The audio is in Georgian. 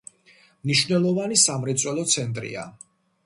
მნიშვნელოვანი სამრეწველო ცენტრია.